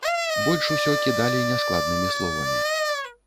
Больш усё кідалі няскладнымі словамі.